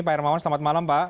pak hermawan selamat malam pak